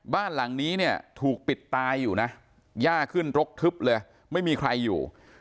บ้านหลังนี้เนี่ยถูกปิดตายอยู่นะย่าขึ้นรกทึบเลยไม่มีใครอยู่